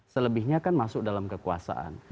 selebihnya kan masuk dalam kekuasaan